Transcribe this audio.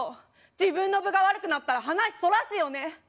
自分の分が悪くなったら話そらすよね。